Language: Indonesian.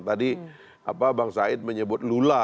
tadi bang said menyebut lula